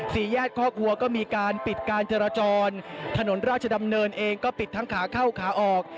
สี่แยกครอบครัวก็มีการปิดการจราจรถนนราชดำเนินเองก็ปิดทั้งขาเข้าขาออก